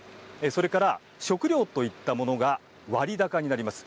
それから食料といったものが割高になります。